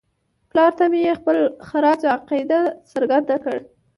پلار ته مې یې خپل خراج عقیدت څرګند کړ.